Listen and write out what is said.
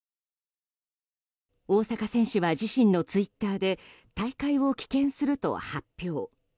大坂選手は自身のツイッターで大会を棄権すると発表。